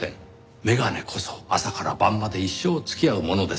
眼鏡こそ朝から晩まで一生付き合うものです。